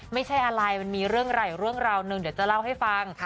ไม่ใช่อะไรมันมีเรื่องไหล่เรื่องราวหนึ่งเดี๋ยวจะเล่าให้ฟัง